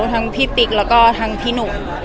ทั้งพี่ติ๊กแล้วก็ทั้งพี่หนุ่ม